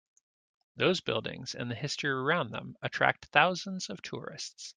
Those buildings and the history around them attract thousands of tourists.